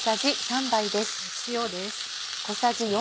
塩です。